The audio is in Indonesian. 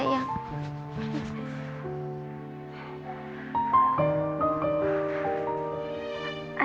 iya sayang sebentar ya sayang